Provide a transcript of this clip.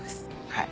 はい。